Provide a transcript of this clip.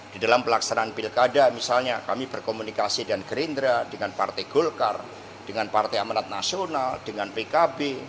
di dalam pelaksanaan pilkada misalnya kami berkomunikasi dengan gerindra dengan partai golkar dengan partai amanat nasional dengan pkb